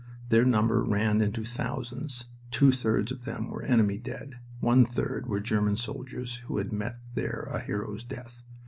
Their number ran into thousands. Two thirds of them were enemy dead; one third were German soldiers who had met here a hero's death.